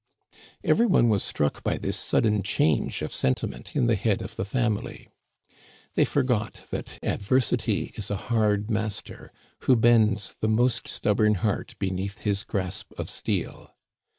" Every one was struck by this sudden change of sen timent in the head of the family. They forgot that Ad versity is a hard master, who bends the most stubborn heart beneath his grasp of steel.